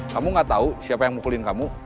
kamu gak tahu siapa yang mukulin kamu